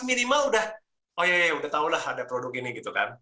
minimal sudah tahu ada produk ini